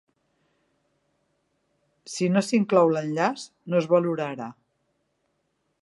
Si no s'inclou l'enllaç, no es valorarà.